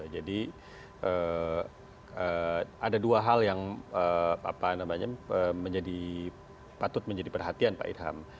jadi ada dua hal yang patut menjadi perhatian pak irham